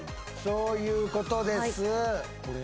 そういうことです・これ？